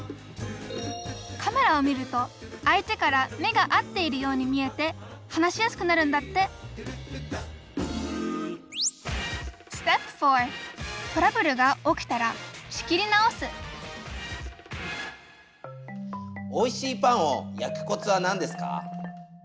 カメラを見ると相手から目が合っているように見えて話しやすくなるんだっておいしいパンを焼くコツはなんですか？